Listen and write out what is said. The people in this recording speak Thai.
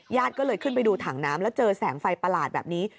ก็เลยขึ้นไปดูถังน้ำแล้วเจอแสงไฟประหลาดแบบนี้